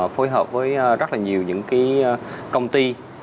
phối hợp với rất là nhiều những công ty